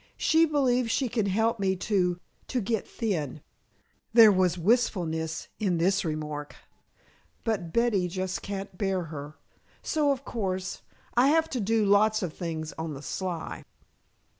"She believes she can help me to to get thin" (there was wistfulness in this remark), "but Betty just can't bear her. So, of course, I have to do lots of things on the sly."